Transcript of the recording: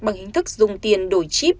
bằng hình thức dùng tiền đổi chip